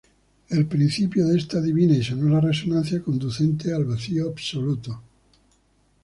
el principio de esta Divina y Sonora Resonancia conducente al vacío absoluto